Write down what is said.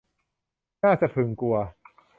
น่าสะพรึงกลัว